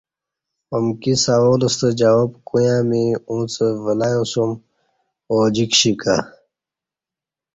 امکی سوال ستہ جواب کُویاں می اُݩڅ ولئسیوم اوجی کشی کہ